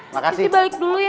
yaudah sisi balik dulu ya